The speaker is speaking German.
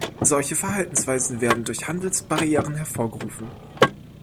Solche Verhaltensweisen werden auch durch Handelsbarrieren hervorgerufen.